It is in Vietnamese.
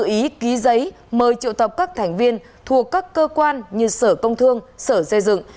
ý ký giấy mời triệu tập các thành viên thuộc các cơ quan như sở công thương sở xây dựng